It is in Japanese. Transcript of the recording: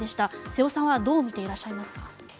瀬尾さんはどう見ていらっしゃいますか？